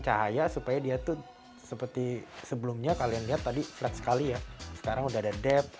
cahaya supaya dia tuh seperti sebelumnya kalian lihat tadi flat sekali ya sekarang udah ada debt